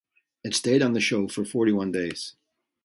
It stayed on the show for forty-one days.